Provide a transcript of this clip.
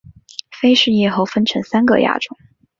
菲氏叶猴分成三个亚种